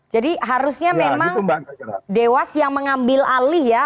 jadi harusnya memang dewas yang mengambil alih ya